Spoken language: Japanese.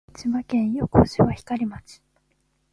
千葉県横芝光町